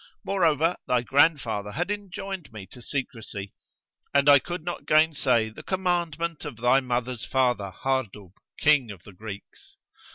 More over, thy grandfather had enjoined me to secrecy, and I could not gainsay the commandment of thy mother's father, Hardub, King of the Greeks.